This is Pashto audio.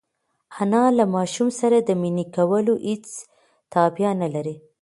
انا له ماشوم سره د مینې کولو هېڅ تابیا نهلري.